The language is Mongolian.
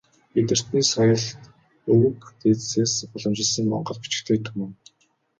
Бидэртний соёлт өвөг дээдсээс уламжилсан монгол бичигтэй түмэн.